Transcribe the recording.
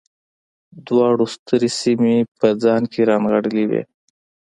دواړو سترې سیمې په ځان کې رانغاړلې وې